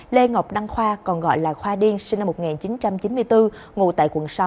lê ngọc đăng khoa còn gọi là khoa điên sinh năm một nghìn chín trăm chín mươi bốn ngủ tại quận sáu